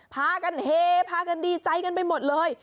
พากันเฮพากันดีใจกันไปหมดเลย